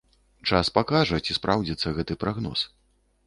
Час пакажа, ці спраўдзіцца гэты прагноз.